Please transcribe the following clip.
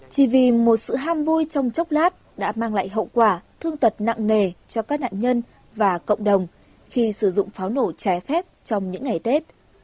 chỉ vì một sự ham vui trong chốc lát đã mang lại hậu quả thương tật nặng nề cho các nạn nhân và cộng đồng khi sử dụng pháo nổ trái phép trong những ngày tết